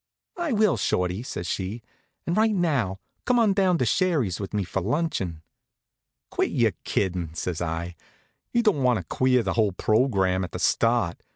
"I will, Shorty," says she, "and right now. Come on down to Sherry's with me for luncheon." "Quit your kiddin'," says I. "You don't want to queer the whole program at the start.